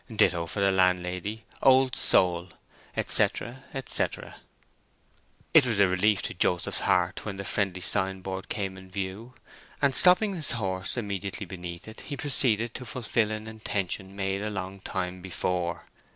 Ditto for the landlady, "Old Soul!" etc., etc. It was a relief to Joseph's heart when the friendly signboard came in view, and, stopping his horse immediately beneath it, he proceeded to fulfil an intention made a long time before.